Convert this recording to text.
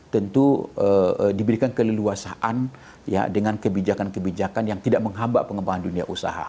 tentu diberikan keleluasaan dengan kebijakan kebijakan yang tidak menghambat pengembangan dunia usaha